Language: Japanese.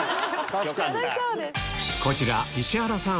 こちら石原さん